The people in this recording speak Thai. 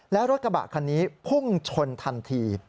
แล้วรถกระบะคันนี้พุ่งชนทันที